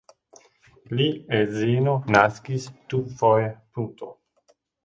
Li edzino naskis dufoje.